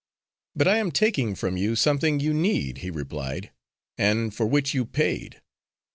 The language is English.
"But I am taking from you something you need," he replied, "and for which you paid.